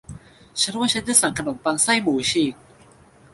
ฉันว่าฉันจะสั่งขนมปังไส้หมูฉีก